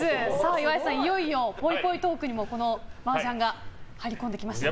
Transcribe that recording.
岩井さん、いよいよぽいぽいトークにもマージャンが入りこんできましたね。